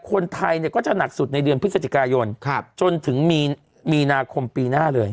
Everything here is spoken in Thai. คนไทยเนี่ยก็จะหนักสุดในเดือนพฤศจิกายนจนถึงมีนาคมปีหน้าเลย